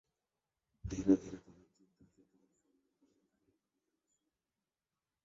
ধীরে ধীরে তাদের চিন্তা-চেতনা ছড়িয়ে পড়তে থাকে বিভিন্ন দেশে।